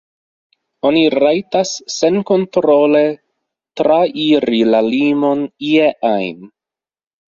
Oni rajtas senkontrole trairi la limon ie ajn.